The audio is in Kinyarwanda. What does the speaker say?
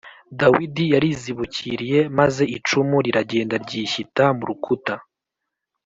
Dawidi yarizibukiriye maze icumu riragenda ryishita mu rukuta